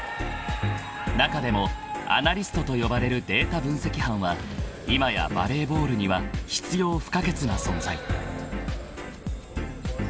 ［中でもアナリストと呼ばれるデータ分析班は今やバレーボールには必要不可欠な存在］